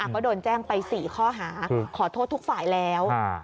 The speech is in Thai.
ก็โดนแจ้งไป๔ข้อหาขอโทษทุกฝ่ายแล้ว